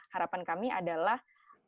harapan kami adalah